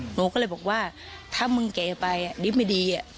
หนูก็เลยบอกว่าถ้ามึงแก่ไปอ่ะดีไม่ดีอ่ะ